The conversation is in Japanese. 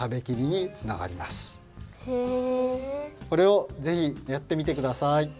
これをぜひやってみてください。